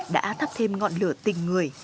đã thắp thêm ngọn lửa tình người